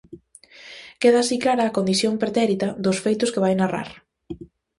Queda así clara a condición pretérita dos feitos que vai narrar.